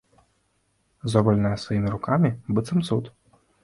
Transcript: Зробленае сваімі рукамі, быццам цуд!